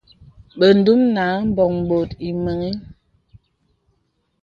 Bə ǹdùnàɛ̂ m̀bɔ̄ŋ bòt ìmàgā.